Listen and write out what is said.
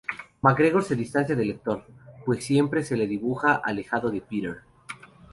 McGregor se distancia del lector, pues siempre se le dibuja alejado de Peter.